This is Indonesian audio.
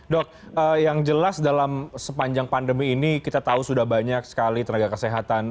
dok yang jelas dalam sepanjang pandemi ini kita tahu sudah banyak sekali tenaga kesehatan